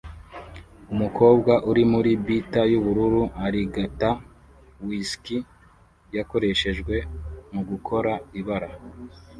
Umukobwa uri muri beater yubururu arigata whisk yakoreshejwe mugukora ibara